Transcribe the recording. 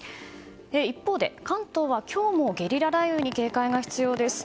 一方で関東は今日もゲリラ雷雨に警戒が必要です。